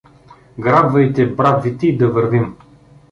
Грабвайте брадвите и да вървим!